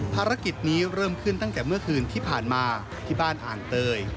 ภารกิจนี้เริ่มขึ้นตั้งแต่เมื่อคืนที่ผ่านมาที่บ้านอ่างเตย